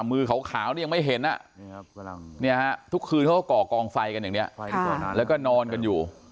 มือขาวนี่ยังไม่เห็นทุกคืนเขาก็ก่อกองไฟกันอย่างนี้แล้วก็นอนกันอยู่